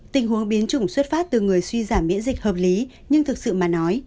tình huống biến chủng xuất phát từ người suy giảm miễn dịch hợp lý nhưng thực sự mà nói